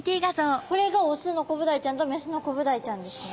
これがオスのコブダイちゃんとメスのコブダイちゃんですよね。